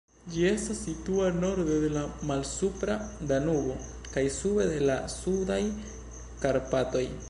Ĝi estas situa norde de la Malsupra Danubo kaj sude de la Sudaj Karpatoj.